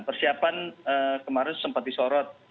persiapan kemarin sempat disorot